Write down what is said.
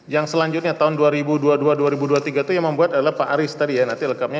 yang selanjutnya tahun dua ribu dua puluh dua dua ribu dua puluh tiga itu yang membuat adalah pak aris tadi ya nanti lengkapnya